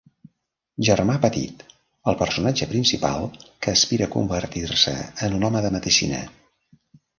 Germà petit: el personatge principal, que aspira a convertir-se en un home de medicina.